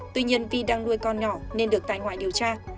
tuy nhiên vi đang nuôi con nhỏ nên được tại ngoại điều tra